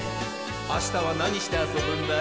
あしたはなにしてあそぶんだい？